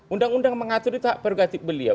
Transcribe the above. undang undang mengatur itu hak prerogatif beliau